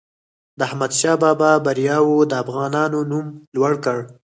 د احمدشاه بابا بریاوو د افغانانو نوم لوړ کړ.